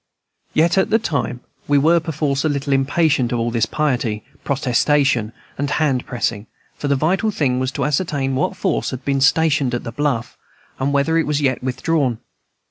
Yet at the time we were perforce a little impatient of all this piety, protestation, and hand pressing; for the vital thing was to ascertain what force had been stationed at the bluff, and whether it was yet withdrawn.